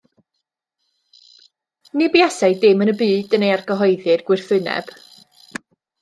Ni buasai dim yn y byd yn ei argyhoeddi i'r gwrthwyneb.